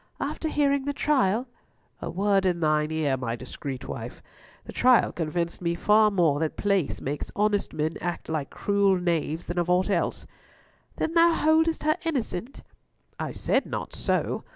"After hearing the trial?" "A word in thine ear, my discreet wife. The trial convinced me far more that place makes honest men act like cruel knaves than of aught else." "Then thou holdest her innocent?" "I said not so.